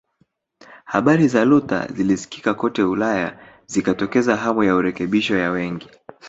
Habari za Luther zilisikika kote Ulaya zikatokeza hamu ya urekebisho ya wengi